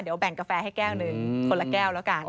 เดี๋ยวแบ่งกาแฟให้แก้วหนึ่งคนละแก้วแล้วกัน